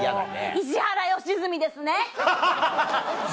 石原良純です。